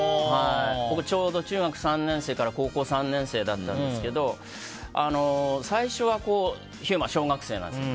ちょうど中学３年生から高校３年生だったんですけど最初は飛雄馬、小学生なんです。